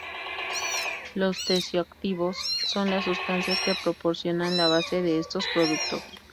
Los tensioactivos son las sustancias que proporcionan la base de estos productos.